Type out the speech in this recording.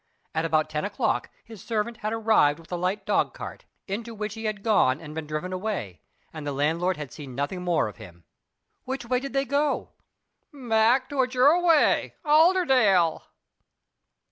At about ten o'clock his servant had arrived with a light dog cart, into which he had gone and been driven away; and the landlord had seen nothing more of him. "Which way did they go?" "Back toward your way, Allerdale."